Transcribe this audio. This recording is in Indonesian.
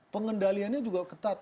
pengendaliannya juga ketat